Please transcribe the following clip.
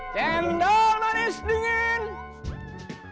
cendol manis dingin